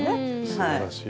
すばらしい。